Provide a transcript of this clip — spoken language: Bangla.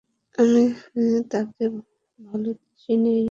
আমি তাকে ভাল করেই চিনি।